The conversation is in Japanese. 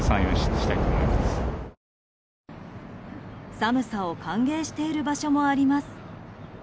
寒さを歓迎している場所もあります。